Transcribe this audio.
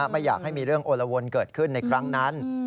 ไม่อยากให้มีเรื่องโอละวนเกิดขึ้นในครั้งนั้น